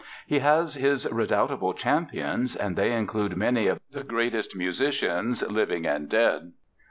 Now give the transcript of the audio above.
He has his redoubtable champions and they include many of the greatest musicians, living and dead.